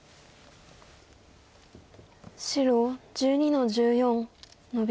白１２の十四ノビ。